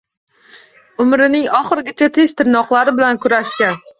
Umrining oxirigacha tish-tirnoqlari bilan kurashgan.